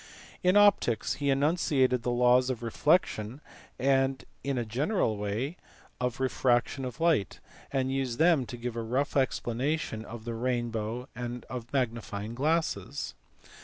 In optics he enunciated the laws of reflexion and in a general way of refraction of light, and used them to give a rough explanation of the rainbow and of magnifying glasses.